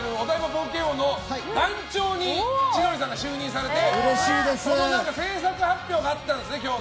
冒険王の団長に千鳥さんが就任されてその制作発表があったんですよね、今日。